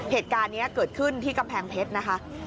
เหตุการณ์นี้เกิดขึ้นที่กำแพงเพชรนะคะ